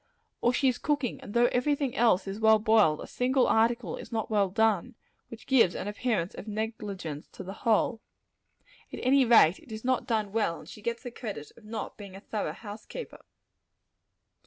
Or she is cooking; and though every thing else is well boiled, a single article is not well done which gives an appearance of negligence to the whole. At any rate, it is not done well; and she gets the credit of not being a thorough house keeper.